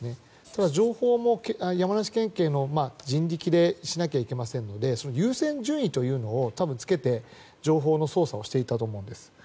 ただ情報も山梨県警の人力でしなければいけませんので優先順位というのを多分つけて情報の捜査をしていたと思うんです。